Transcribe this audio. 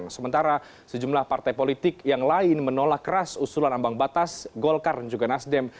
sementara sejumlah partai politik yang lain menolak keras usulan ambang batas golkar dan juga nasdem